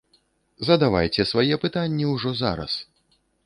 Задавайце свае пытанні ўжо зараз!